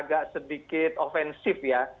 agak sedikit offensif ya